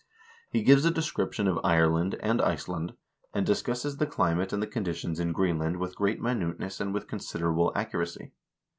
He gives a description of Ireland and Iceland, and discusses the climate and the conditions in Greenland with great minuteness and with considerable accuracy.